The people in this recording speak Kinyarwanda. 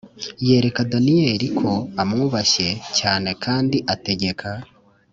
Yereka daniyeli ko amwubashye cyane kandi ategeka